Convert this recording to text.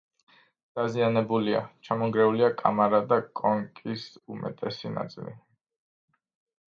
დაზიანებულია: ჩამონგრეულია კამარა და კონქის უმეტესი ნაწილი.